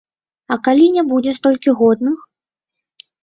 А калі не будзе столькі годных?